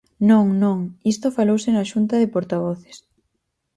Non, non, isto falouse na Xunta de Portavoces.